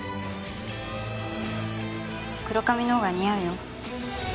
黒髪のほうが似合うよ。